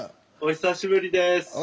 お久しぶりです。